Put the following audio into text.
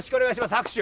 拍手。